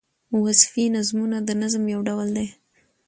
وصفي نظمونه د نظم یو ډول دﺉ.